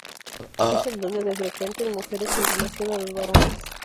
Es el doble de frecuente en mujeres en relación a los varones.